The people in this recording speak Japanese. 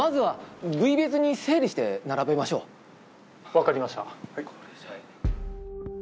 ・分かりました。